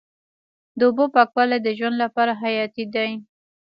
د اوبو پاکوالی د ژوند لپاره حیاتي دی.